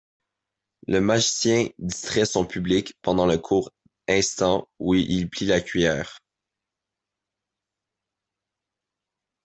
Le magicien distrait son public pendant le court instant où il plie la cuillère.